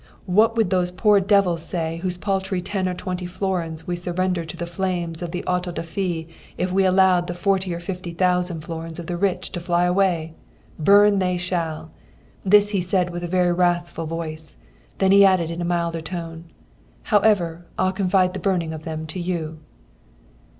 What would those poor devils say whose paltry ten or twenty florins we surrender to the flames of the auto da fé if we allowed the forty or fifty thousand florins of the rich to fly away? Burn they shall!" This he said with a very wrathful voice. Then he added in a milder tone: "However, I'll confide the burning of them to you."'